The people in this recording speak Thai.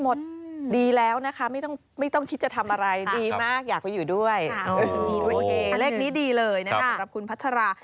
โอเคเลขนี้ดีเลยนะครับสำหรับคุณพัชรา